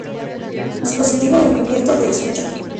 Dispositivo Encubierto de Escucha